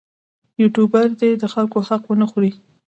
یوټوبر دې د خلکو حق ونه خوري.